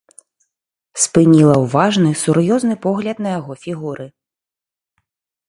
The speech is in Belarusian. Спыніла ўважны, сур'ёзны погляд на яго фігуры.